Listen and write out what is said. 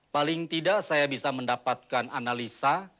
paling tidak saya bisa mendapatkan analisa